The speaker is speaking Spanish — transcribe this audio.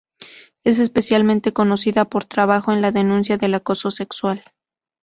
Es especialmente conocida por trabajo en la denuncia del acoso sexual.